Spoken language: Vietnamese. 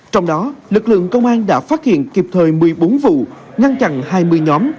trong đó lực lượng công an đã phát hiện kịp thời một mươi bốn vụ ngăn chặn hai mươi nhóm